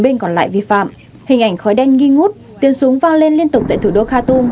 bên còn lại vi phạm hình ảnh khói đen nghi ngút tiến súng vang lên liên tục tại thủ đô khartoum